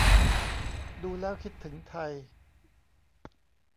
ดูแล้วคิดถึงไทย